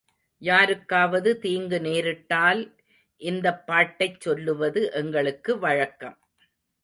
யாருக்காவது தீங்கு நேரிட்டால் இந்த பாட்டைச் சொல்லுவது எங்களுக்கு வழக்கம்.